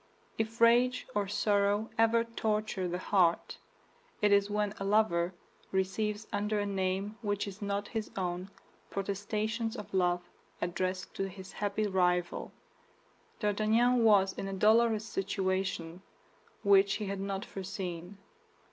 If rage or sorrow ever torture the heart, it is when a lover receives under a name which is not his own protestations of love addressed to his happy rival. D'Artagnan was in a dolorous situation which he had not foreseen.